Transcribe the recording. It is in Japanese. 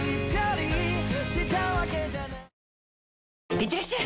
いってらっしゃい！